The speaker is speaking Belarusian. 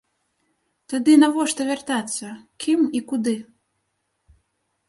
Тады навошта вяртацца, кім і куды?